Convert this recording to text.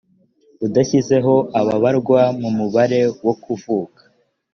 udashyizeho ababarwaga mu mubare wo kuvuka